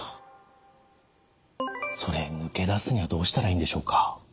それ抜け出すにはどうしたらいいんでしょうか？